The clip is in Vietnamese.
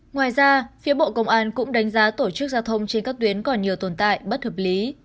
ngoài ra phía bộ công an cũng đánh giá tổ chức giao thông trên các tuyến còn nhiều tồn tại bất hợp lý